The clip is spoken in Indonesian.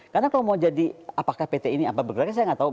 karena kalau mau jadi apakah pt ini apa bergeraknya saya nggak tahu